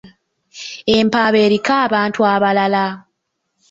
Empaaba eriko abantu abalala.